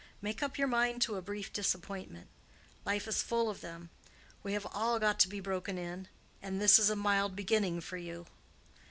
Make up your mind to a brief disappointment. Life is full of them. We have all got to be broken in; and this is a mild beginning for you."